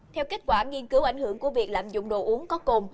theo kết quả nghiên cứu ảnh hưởng của việc lạm dụng đồ uống có cồn